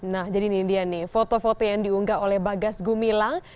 nah jadi ini dia nih foto foto yang diunggah oleh bagas gumilang